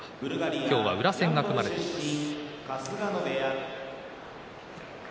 今日は宇良戦が組まれています。